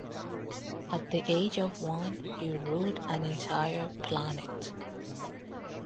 At the age of one, he ruled an entire planet.